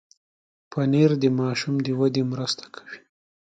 پنېر د ماشوم د ودې مرسته کوي.